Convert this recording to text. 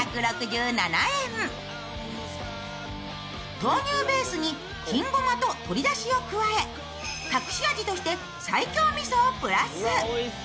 豆乳ベースに金ごまと鶏だしを加え隠し味として西京みそをプラス。